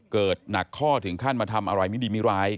เกิดหนักข้อถึงขั้นมาทำอะไรไม่ดีไม่ร้าย